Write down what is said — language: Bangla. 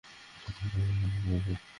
তুমি কি মদ্যপান করেছ?